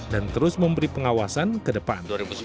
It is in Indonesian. dan terus memberi pengawasan ke depan